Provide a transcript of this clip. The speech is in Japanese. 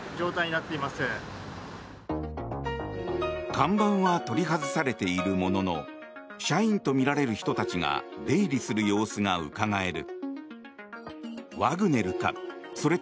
看板は取り外されているものの社員とみられる人たちが出入りする様子がうかがえる。